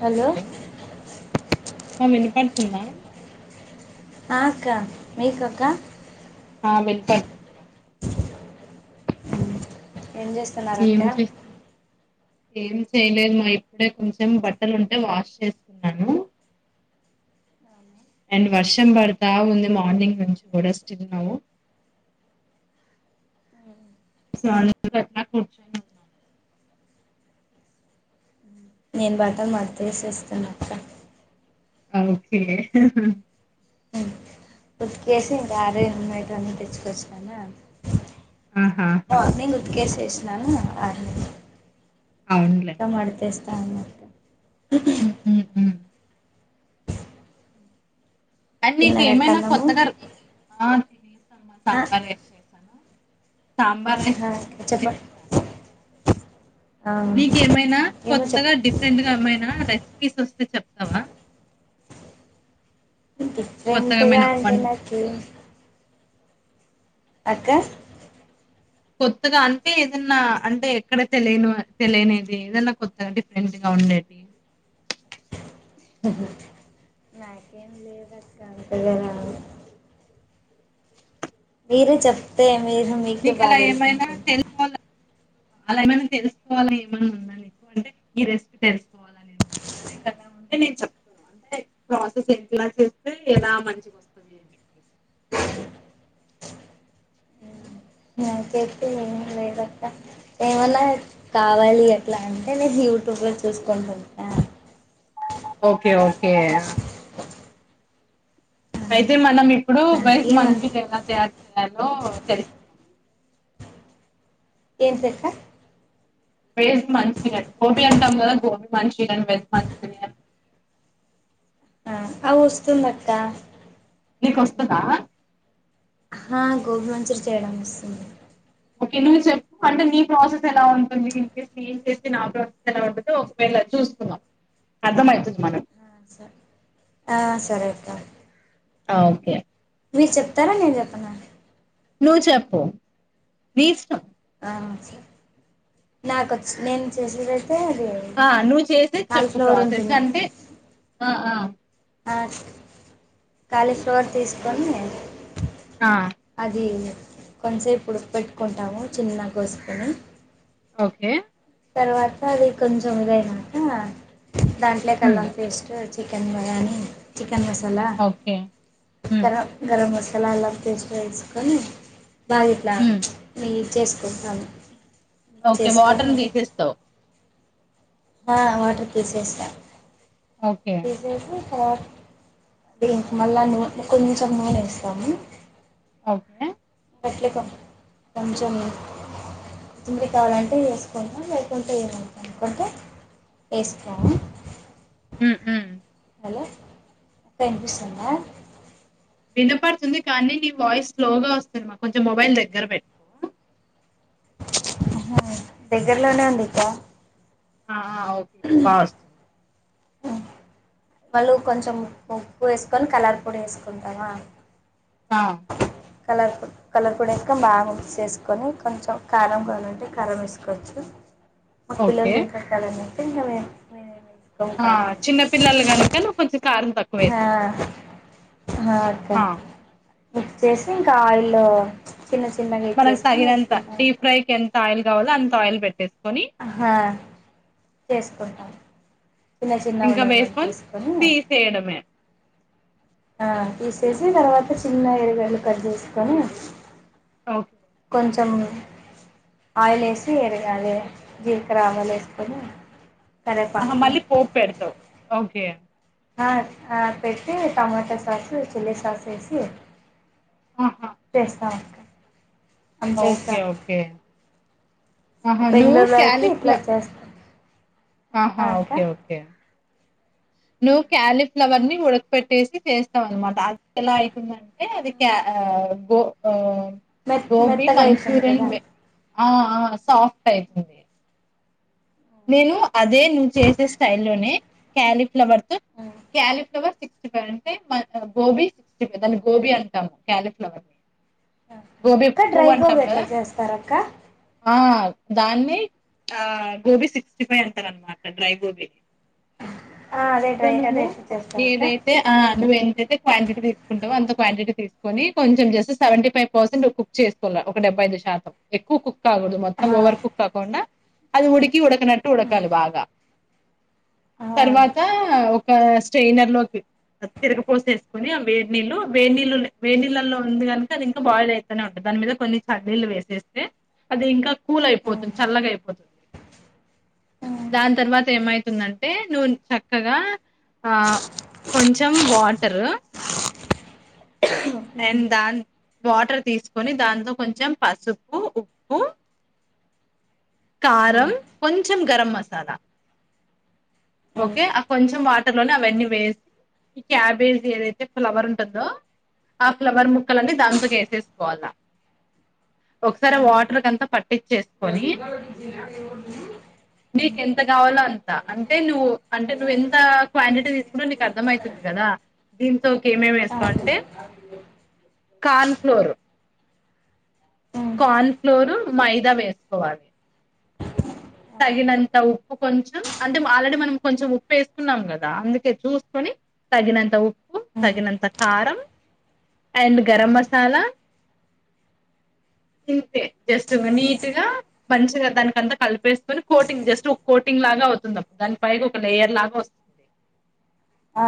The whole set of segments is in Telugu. హలో మామ్ విన పడుతుందా ఆ అక్క మీకొక ఆ వినపడుతుంది ఏం చేస్తూ ఏం చేస్తున్నా ఏం చేయలేదు మా ఇప్పుడే కొంచెం బట్టలు ఉంటే వాష్ చేస్తున్నాను అండ్ వర్షం పడతా ఉంది మార్నింగ్ నుంచి కూడా స్టిల్ నౌ సో అట్లా కూర్చున్నాం నేను బట్టలు మడతెసేస్తున్న అక్క ఓకే హ్ హి హి ఉమ్, ఉతికేసి ఇంకా అరేటివి అన్నీ తీసుకొచ్చినాన ఆహాహా ఉతికేేసేసినాను ఆరేయాల అవును మడతేస్తాన్నా. మ్ ఉ మ్ ఉ ఆ నీకు తిన్నారా అక్క ఏమైనా అన్నము కొత్త కారు ఆ అవును. ఆ సాంబార్ రైస్. సాంబార్ రైస్ ఆ అక్క చేసాను చెప్పండి తిన్నా ఆ, నీకేమైనా ఏమో కొత్తగా చెప్ డిఫరెంట్ గా ఏమైనా రెసిపీస్ వస్తే చెప్తావా? డిఫరెంట్ గా కొత్తగామైన అంటే వంటలు నాకు అక్కా కొత్తగా అంటే ఏదన్నా అంటే ఎక్కడ తెలియని తెలియనిది ఏదన్నా కొత్తగా డిఫరెంట్ గా ఉండేది. నాకేం లేవు అంతగా మీరు చెప్తే మీరు మీకే నీకు అలా బాగా ఏమైనా తెల్సింటేనా అలా ఏమైనా తెలుసుకోవాలా ఏమన్నా ఉన్నా ఎక్కువ అంటే ఈ రెసిపీ తెలుసుకోవాలి. ఏదన్నా ఉంటే నేను చెప్తున్నా అంటే ప్రాసెస్ ఎట్లా చేస్తే ఎలా మంచిగా వస్తుంది. నిలిసి నా చేతిలో ఏమీ లేదక్కా ఏమన్నా కావాలి ఎట్లా అంటే నేను యూట్యూబ్ లో చూసుకుంటూ చేస్తా. ఓకే, ఓకే అయితే మనం ఇప్పుడు వెజ్ నాకేమంత మంచూరియా ఎలా తయారు చేయాలో తెలుసు ఏంటి అక్కా? Veg Manchuria. గోబీ అంటాం కదా గోబీ మంచూరియా వెజ్ మంచూరియా అది వస్తుంది అక్కా నీకు వస్తుందా? ఆ గోబీ మంచూరియా చేయడం వస్తుంది. ఓకే నువ్వు చెప్పు అంటే నీ ప్రాసెస్ ఎలా ఉంటుంది. ఇన్ కేస్ నేను చెప్పిన ఆ ప్రాసెస్ ఎలా ఉంటుందో ఒకవేళ చూసుకుందాం అర్థమవుతుంది మనకి ఆ సరే అక్కా ఓకే మీరు చెప్తారా? నేను చెప్పనా? నువ్వు చెప్పు నీ ఇష్టం. నాకొచ్చు. నేను చేసేదైతే అది ఆ నువ్ చేసేది చెప్పు కాలీఫ్లవర్ ప్రాసెస్ ఉంటుంది అంటే ఆ ఆ కాలీఫ్లవర్ తీసుకొని మ్ అది కొంతసేపు ఉడు పెట్టుకుంటాము చిన్నగా కోసుకొని ఓకే తర్వాత అది కొంచెం ఇదయినక దాంట్లోకి ఉమ్, అల్లం paste chicken biryani chicken masala okay ఉమ్, కారం గరం మసాలల్లో తీస్ వేసుకొని బాగా ఇట్లా ఉమ్, నెయ్యి చేసుకుంటాను మిక్స్ ఓకే వాటర్ని చేసుకొని తీసేస్తావు. హా వాటర్ తీసేస్తా, ఓకే తీసేసి తర్వాత ఇంగ మళ్ళా నూనె కొంచెం నూనె వేస్తాము. ఓకే కొంచ మీ పిండి కావాలంటే వేసుకోన లేకుంటే ఏమోదనుకుంటే వేసుకోం ఉ ఉ హలో అక్క వినిపిస్తుంద వినపడుతుంది కానీ నీ వాయిస్ స్లో గా వస్తుంది మా కొంచెం మొబైల్ దగ్గర పెట్ దగ్గరలోనే ఉందిక్క ఆ ఆ ఓకే ఇప్పుడు బాగొస్ వాళ్ళు కొంచెం ఉప్పు ఉప్పు వేసుకొని కలర్ పొడి వేసుకుంటామా ట కలర్ పొ కలర్ పొడి ఎస్కొని బాగా మిక్స్ చేసుకొని కొంచెం కారం కావాలంటే కారం వేసుకోవచ్చు మా పిల్లలు ఓకే తినిపెట్టలనేసి ఆ చిన్న పిల్లలు గనుక నువ్వు కొంచం కారం తక్కు హా హా అక్క ఆ మిక్స్ చేసి ఇంకా ఆయిల్ లో చిన్న చిన్నగా మనకు ఇచ్చేసుకొని తగినంత వేసుకుంటాను డీప్ ఫ్రైకి ఎంత ఆయిల్ కావాలో అంత ఆయిల్ పెట్టేసుకొని హా చేసుకుంటాను చిన్న చిన్న ఉండలు మాదిరి చేసుకొని చేయడమే ఆ తీసేసి తర్వాత చిన్న ఎరగాయలు కట్ చేసుకొని ఓ కొంచెం ఆయిల్ వేసి ఎరగాలి జీరకర ఆవాలు వేసుకొని ఆహా కరేపాకు మళ్ళీ పోపు పెడతావు ఓకే ఆ ఆ పెట్టి టమాటో సాసు చిల్లీ సాస్ వేసి ఆహా చేస్తామక్క ఓకే ఓకే హహ నువు బెంగళూరులో అయితే కాలిఫ్ల ఇట్లా చేస్తాం ఆహా అక్క ఓకే ఓకే నువ్వు క్యాలీఫ్లవర్ ని ఉడకపెట్టేసి చేస్తావు అనమాట అది ఎలా అయితుందం అంటే అది క్య ఆ గో ఒ మె గోబి మెత్తగా అయితుంది కదా మంచూరియన్ ఆ ఆ సాఫ్ట్ అయితుంది నేను అదే నువ్వు చేసే స్టైల్ లోనే క్యాలీఫ్లవర్ తో క్యాలీఫ్లవర్ సిక్స్ దాన్ని గోబీ అంటాము కాలిఫ్లవర్ ని అక్క డ్రై గోబీపువ్వు అంటాం గోబీ కదా ఎట్లా చేస్తారు అక్క ఆ దాన్ని ఆ గోబి సిక్స్టీ ఫైవ్ అంటరన్నమాట డ్రై గోబీని అదే అక్క డ్రై అదే నువ్వు ఎట్లా చేస్తారు అక్క ఏదైతే ఆ నువ్వు ఎంతైతే క్వాంటిటీ తీసుకుంటావో అంత క్వాంటిటీ తీసుకొని కొంచెం జస్ట్ సెవెంటీ ఫైవ్ పర్సెంట్ చేసుకోళ్ళ ఒక డెబ్బై ఐదు శాతం ఎక్కువ కుక్ కాకూడదు మొత్తం ఓవర్ కుక్ కాకుండా అది ఉడికి ఉడకనట్టు ఉడకాలి బాగా తర్వాత ఒక స్టయినర్లోకి తిరగపోసేసుకొని ఆ వేడినీళ్లు వేడినీళ్లు వేడి నీళ్ళల్లో ఉంది గనుక అది ఇంకా బాయిల్ అయ్ ఉంటుంది దాని మీద కొన్ని చన్నీళ్ళు వేసేస్తే అది ఇంకా కూల్ అయిపోతుంది చల్లగా అయిపోతుం దాని తర్వాత ఏమైతుందంటే నువ్ చక్కగా ఆ కొంచెం వాటర్ అండ్ దాని వాటర్ తీసుకొని దాంతో కొంచెం పసుపు ఉప్పు కారం కొంచం గరం మసాలా ఓకే ఆ కొంచెం వాటర్ లోనే అవన్నీ వేసి ఈ క్యాబేజ్ ఏదైతే ఫ్లవర్ ఉంటదో ఆ ఫ్లవర్ ముక్కలన్నీ దాంతో కి వేసేసుకోవాలా ఒకసారి ఆ వాటర్ కంతా పట్ట నీకు ఎంత కావాలో అంత అంటే నువ్వు అంటే నువ్వెంత క్వాంటిటీ తీసు ఇప్పుడు నీకు అర్థం అవుతుంది కదా దీంతో కి ఏమేమి ఆ వేసుకోవాలంటే కార్న్ ఫ్లోర్ ఆ కార్న్ ఫ్లోరు మైదా వేసుకోవాలి తగినంత ఉప్పు కొంచెం అంటే ఆల్రెడీ మనం కొంచెం ఉప్పు వేసుకున్నాం కదా అందుకే చూసుకొని తగినంత ఉప్పు తగినంత కారం అండ్ గరం మసాలా ఇంతే జస్ట్ నీట్ గా మంచిగా దానికి అంతా కలిపేసుకొని కోటింగ్ జస్ట్ ఒక కోటింగ్ లాగా అవుతుంది అప్పుడు దాని పైగా ఒక లేయర్ లాగా వస్తుంది ఆ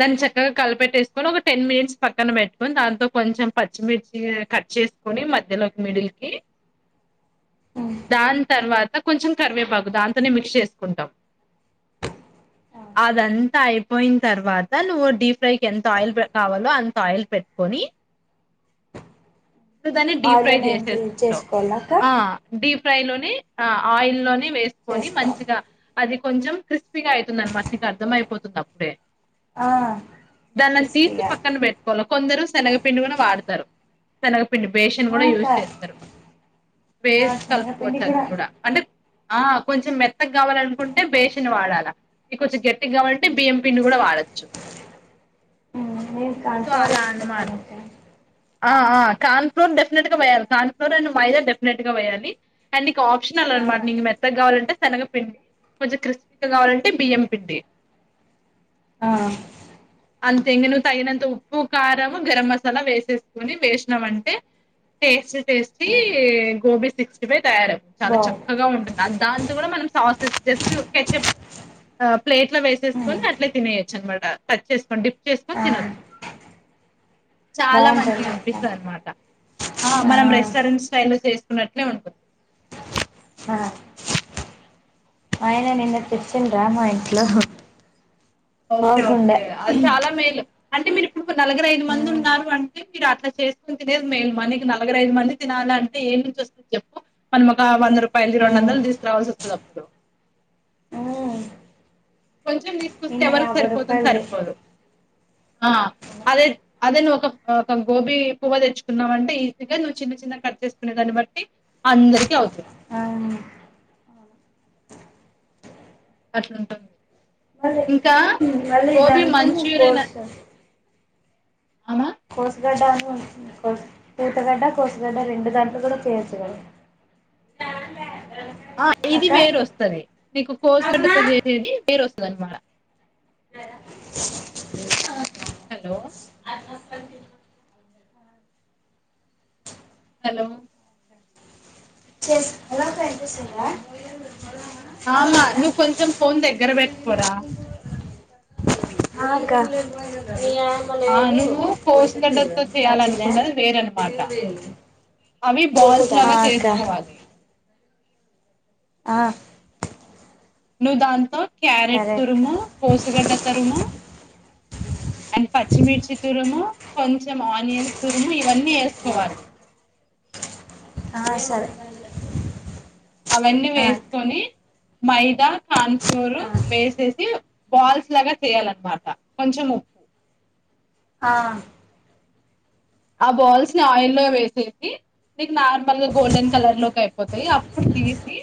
దాన్ని చక్కగా కలిపెట్టేసుకొని ఒక టెన్ మినిట్స్ పక్కన పెట్టుకొని దాంతో కొంచెం పచ్చిమిర్చి కట్ చే సుకుని మధ్యలోకి మిడిల్ కి దాని తర్వాత కొంచెం కరివేపాకు దాంతోనే మిక్స్ చేసుకుంటాం అదంతా అయిపోయిన తర్వాత నువ్వు డీప్ ఫ్రై కి ఎంత ఆయిల్ కావాలో అంత ఆయిల్ పెట్టుకొని ను దాన్ని డీప్ ఫ్రై ఆయిల్లోనే చేసేసుకుంటావ్ చేసుకోవాల అక్క ఆ డీప్ ఫ్రై లోని ఆ ఆయిల్ లోనే వేసుకొని చేసుకోవాలి మంచిగా అది కొంచెం క్రిస్పీగా అవుతుందిన మాట నీకు అర్థం అయిపోతుంది అప్పుడే ఆ దాన్నం తీసి క్రిస్పీగా పక్కన పెట్ కొవలా కొందరు శనగపిండి కూడా వాడతారు శనగపిండి బేష్ ఆ కూడా అక్క యూజ్ చేస్తారు ఆ వేసి శనగపిండి కలుపుకోవచ్చు అది కూడా అంటే ఆ కొంచెం మెత్తగా కావాలనుకుంటే బేషన్ వాడాలా ఇంక కొంచెం గట్టిగా కావాలంటే బిఎంపిండిని కూడా వాడొచ్చు నేను కార్న సో ఫ్లోర్ అలా యూస్ చేస్తా అనమాట అక్క ఆ కార్న్ ఫ్లోర్ డెఫినెట్ గా వేయాలి corn flour and maida definite గా వేయాలి అండ్ నీకు ఆప్షనల్ ఆ అన్నమాట నీకు మెత్తగా కావాలంటే శెనగ పిండి కొంచెం క్రిస్పీగా కావాలంటే బియ్యం పిండి ఆ అంతే ఎంగనూ తగినంత ఉప్పు కారము గరం మసాలా వేసేస్తే ఇవన్ని వేసినాం అంటే taste tasty gobi sixty five తయారవు చాలా బాగుంది చక్కగా ఉంటుంది అ దాంతో కూడా మనం సాసెస్ జస్ట్ కెచెప్ ఆ ప్లేట్ లో వేసుకొని అట్లే తినేయేచ్చు అన్నమాట టచ్ చేసుకొని డిప్ చేసుకొని ఆ తినొచ్చు చాలా మంచి బాగుంటుంది అక్క పిస్తంది అన్నమాట ఆ మనం రెస్టారెంట్ స్టైల్ లో చేసుకున్నట్లే ఉంటది ఆ ఆయన నిన్న తెచ్చింద్రా మా ఇంట్లో ఓకే ఓకే బాగుండే అది చాలా మేలు అంటే మీరు ఇప్పుడు నలగరు ఐదు మంది మ్మ్ ఉన్నారు అంటే మీరు అట్లా చేసుకుని తినేదు మేల్ మనకి నలగురు ఐదు మంది తినాలంటే ఏం నుంచి వస్తుంది చెప్పు మనం ఒకా వంద రూపాయల్ది రెండు మ్మ్ వందల్ దీసుకు రావాల్సి ఒస్తది అప్పుడు మ్మ్ కొంచెం దీసుకొస్తే నిన్న ఎవరికి యాభై సరిపోతుంది రూపాయలది సరిపోదు ఆ అదే అదే నువ్ ఒక ఆక గోబీ పువ్వ దెచ్చుకున్నావంటే ఈజీగా నువ్ చిన్న చిన్న కట్ చేసుకునే దాన్ని బట్టి అందరికి అవుతుంది అవును అట్లాంటది మళ్ళీ ఇంకా మళ్ళీ గోబీ దానికన్నా మంచూరియనా కోసు అవునా కోస్ గడ్డానీ కోస్ కూతగడ్డ కోస్ గడ్డ రెండు దాంట్లో గూడ చేయొచ్చు గదా ఆ ఇది అక్క వేరు ఒస్తది నీకు కోస్ గడ్డతో చేసేది వేరు ఒస్తది అన్మాట అ హలో అ చెప్పండి హలో చెస్ [unintelligible] ఆ అమ్మ నువ్ కొంచెం ఫోన్ దగ్గర బెట్కోరా ఆ అక్క ఆ నువ్వు కోసుగడ్డలతో ఒచ్చిందా అవీ బాల్స్ లాగ చేసుకోవాలి ఆ నువ్ దాంతో క్యారెట్ సరే అక్క తురుము కోసిగడ్డ తరుము అన్ పచ్చిమిర్చి తురుము కొంచెం ఆనియన్స్ తురుము ఇవన్నీ ఏసుకోవాలి ఆ సరే అవన్ని ఆ, అక్క వేసుకొని మైదా కాన్ ఫ్లోర్ ఆ. వేసేసి బాల్స్ లాగ చేయాలన్మాట కొంచెం ఉ ఆ ఆ బాల్స్ ని ఆయిల్లో వేసేసి నీక్ నార్మల్ గా గోల్డెన్ కలర్ లోకి అయిపోతయి అప్పుడు తీసి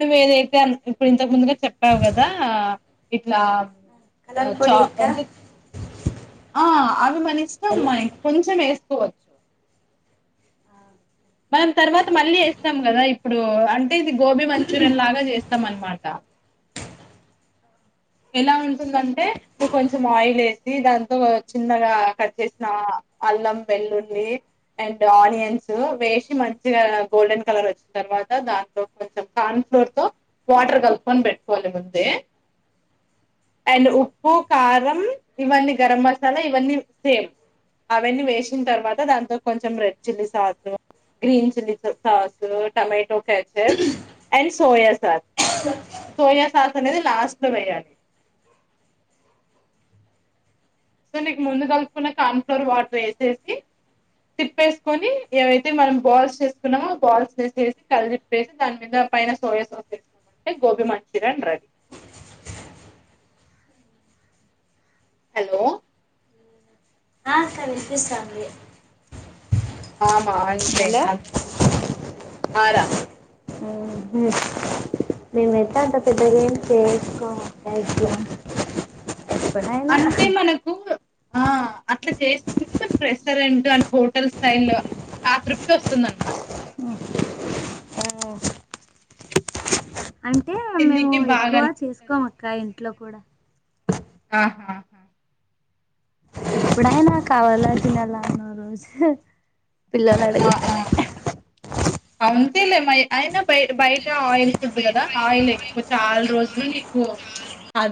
నువ్ ఏదైతే అన్ ఇప్పుడు ఇంతకు ముందుగా చెప్పావు గదా ఇట్లా ఆ, కలర్ ఫుడ్ చా ఇక్కా అంటే ఆ అవి మన ఇష్టం ఎలా మై కొంచెం ఏసుకోవచ్చు మనం తర్వాత మళ్ళీ ఏస్తాం గదా ఇప్పుడూ అంటే ఇది గోబీ మంచూరియన్ లాగా జేస్తం అన్మాట ఎలా ఉంటుందంటే నువ్ కొంచెం ఆయిల్ ఏసీ దాంతో చిన్నగా కట్ చేసినా అల్లం వెల్లుల్లీ అండ్ ఆనియన్స్ వేశి మంచిగా గోల్డెన్ కలర్ ఒచ్చి తర్వాత దాంతో కొంచెం కార్న్ ఫ్లోర్ తో వాటర్ గలుపుకొని బెట్కోవాలి ముందే అండ్ ఉప్పు కారం ఇవన్ని గరం మసాలా ఇవన్ని సేమ్ అవన్నీ వేసిన్ తర్వాత దాంతో కొంచెం red chilli sauce green chilli స sauce tomato ketchup and soya sauce soya sauce అనేది లాస్ట్ లో వేయాలి సో నీకు ముందు గలుప్కున్న కాన్ ఫ్లోర్ వాటర్ ఏసేసి తిప్పేసుకొనీ ఏదైతే మనం బాల్స్ చేసుకున్నమో బాల్స్ ఏ [unintelligible] కలి పేసి దాన్ మీదా పైరా సోయా సాస్ [inaudible] మంటే గోబీ మంచూరియన్ రెడీ హలో ఆ అక్క వినిపిస్తంది ఆమ అంతే హలో అంత సింపుల్ ఆరా ఊ మీర్ నేనైతే అంత పెద్దగా ఏం చేసుకో లైఫ్ ల అంటే మనకు ఆ అట్లా చేస్తనె మనకూ రెస్టారెంట్ అండ్ హోటల్ స్టైల్ ఆ తృప్తి వస్తుంద అనమాట అంటే మేము తిన్నికి బాగా ఎక్కువ చేసుకోం అనిపిస్తది అక్క ఇంట్లో కూడా ఆహా ఎప్పుడైనా కావాల తినలాన్న రోజు పిల్లలు ఆ ఆ అడుగుతనే అంతలే మ అయిన బయ బయట ఆయిల్ ఫుడ్ కదా ఆయిల్ ఎక్కువ చాలా రోజులు నీకు ప్చ్ అదే